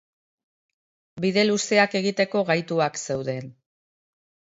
Bide luzeak egiteko gaituak zeuden.